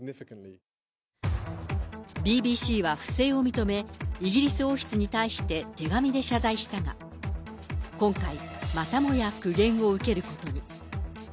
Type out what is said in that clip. ＢＢＣは不正を認め、イギリス王室に対して手紙で謝罪したが、今回、またもや苦言を受けることに。